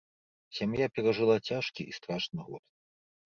Сям'я перажыла цяжкі і страшны год.